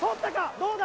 どうだ？